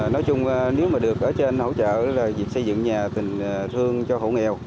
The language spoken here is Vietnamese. nói chung nếu mà được ở trên hỗ trợ là việc xây dựng nhà tình thương cho hộ nghèo